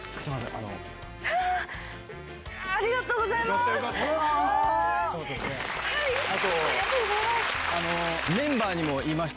ありがとうございます。